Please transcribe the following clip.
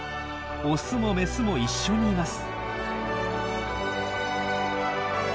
オスもメスも一緒にいます。